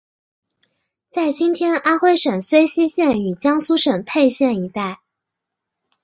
在今天安微省睢溪县与江苏省沛县一带。